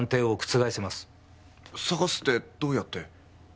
捜すってどうやって？